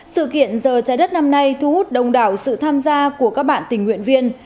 sự kiện giờ trái đất năm nay thu hút đông đảo sự tham gia của các bạn tình nguyện viên